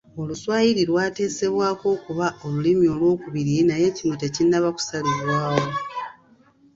Oluswayiri lwateesebwako okuba olulimi olwokubiri naye kino tekinnaba kusalibwawo.